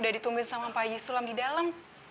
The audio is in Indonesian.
udah ditungguin sama pak haji sulam di dalam